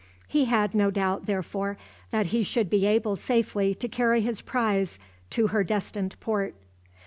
He had no doubt, therefore, that he should be able safely to carry his prize to her destined port.